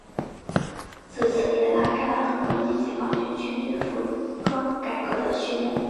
自此也拉开了中国人民解放军全军服装改革的序幕。